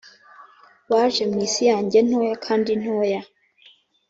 waje mwisi yanjye, ntoya kandi ntoya ...